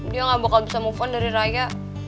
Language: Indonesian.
dia gak bakal bisa move on dari raya